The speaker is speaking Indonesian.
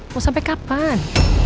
mau sampai kapan